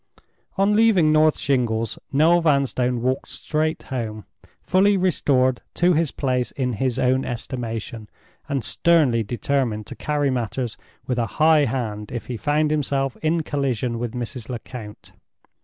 On leaving North Shingles Noel Vanstone walked straight home, fully restored to his place in his own estimation, and sternly determined to carry matters with a high hand if he found himself in collision with Mrs. Lecount.